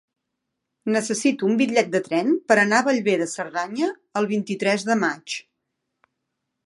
Necessito un bitllet de tren per anar a Bellver de Cerdanya el vint-i-tres de maig.